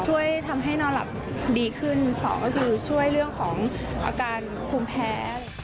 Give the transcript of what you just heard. ช่วยทำให้นอนหลับดีขึ้นสองก็คือช่วยเรื่องของอาการภูมิแพ้